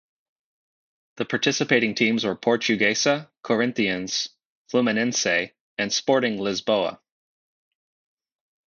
The participating teams were Portuguesa, Corinthians, Fluminense and Sporting Lisboa.